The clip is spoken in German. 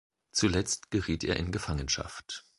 Zuletzt geriet er in Gefangenschaft.